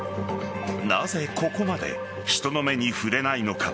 なぜここまで人の目に触れないのか。